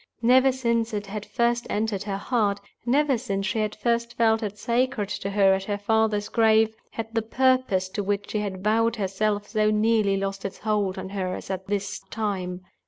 Never since it had first entered her heart, never since she had first felt it sacred to her at her father's grave, had the Purpose to which she had vowed herself, so nearly lost its hold on her as at this time.